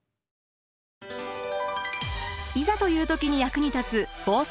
いざという時に役に立つ防災の知恵。